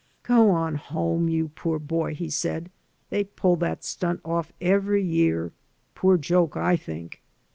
"Go on home, you poor boy," he said. "They pull that stunt oflf every year. Poor joke, I think."